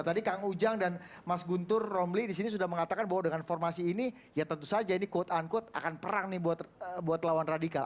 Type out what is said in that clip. tadi kang ujang dan mas guntur romli disini sudah mengatakan bahwa dengan formasi ini ya tentu saja ini quote unquote akan perang nih buat lawan radikal